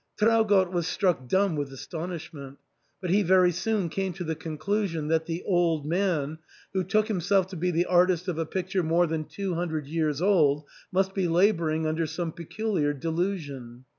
Traugott was struck dumb with astonishment But he very soon came to the conclusion that the old man, who took himself to be the artist of a picture more than two hundred years old must be labouring under some peculiar delusion.